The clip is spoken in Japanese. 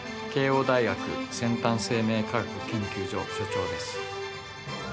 慶應大学先端生命科学研究所所長です。